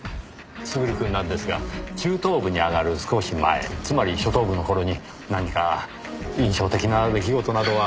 優くんなんですが中等部に上がる少し前つまり初等部の頃に何か印象的な出来事などは。